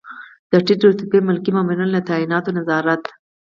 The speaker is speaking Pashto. د ټیټ رتبه ملکي مامورینو له تعیناتو نظارت.